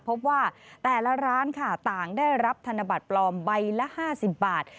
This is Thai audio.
พบว่าแต่ละร้านค่ะต่างได้รับธนบัตรปลอมใบละ๕๐บาท